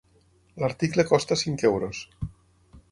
L'article costa cinc euros.